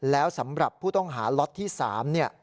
แล้วสำหรับผู้ต้องหาล็อตที่๓เนี่ย